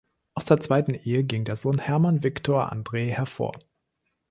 Aus der zweiten Ehe ging der Sohn Hermann Victor Andreae hervor.